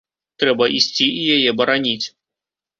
Трэба ісці і яе бараніць.